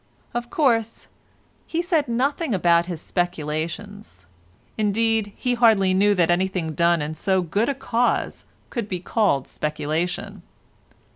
Of course, he said nothing about his speculations—indeed, he hardly knew that anything done in so good a cause could be called speculation.